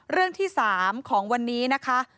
เรื่องที่๓ของวันนี้นะคะ